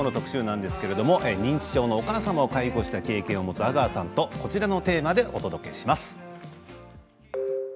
きょうの特集は認知症の母親を介護した経験を持つ阿川さんとこちらのテーマでお送りします。